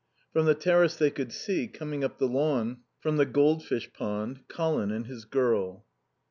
From the terrace they could see, coming up the lawn from the goldfish pond, Colin and his girl.